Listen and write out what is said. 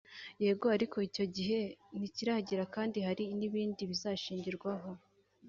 Yego ariko icyo gihe ntikiragera kandi hari ibindi bizashingirwaho